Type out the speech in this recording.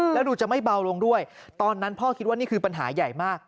แล้วดูจะไม่เบาลงด้วยตอนนั้นพ่อคิดว่านี่คือปัญหาใหญ่มาก